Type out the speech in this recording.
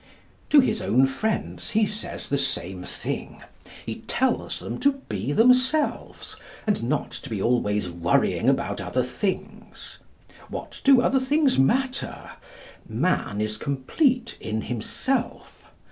To his own friends he says the same thing. He tells them to be themselves, and not to be always worrying about other things. What do other things matter? Man is complete in himself.